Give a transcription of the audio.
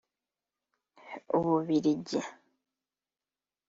u Bubiligi